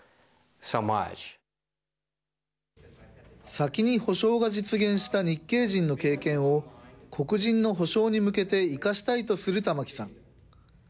先に補償が実現した日系人の経験を、黒人の補償に向けて生かしたいとするタマキさん。